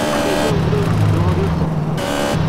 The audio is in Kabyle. Sami yella itteddu ad yeṭṭes.